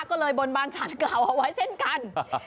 ก็เลยบนบานสารกล่าวเอาไว้เช่นกัน